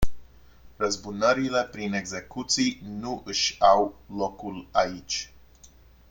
Răzbunările prin execuții nu își au locul aici.